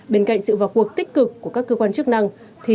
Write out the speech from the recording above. bên cạnh sự vào cuộc tích cực của các cơ quan chức năng